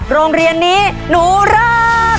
โรงเรียนนี้หนูรัก